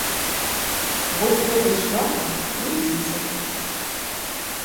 Вось гэтым шляхам і ідзіце.